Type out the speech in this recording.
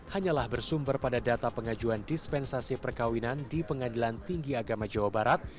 hanyalah bersumber pada data pengajuan dispensasi perkawinan di pengadilan tinggi agama jawa barat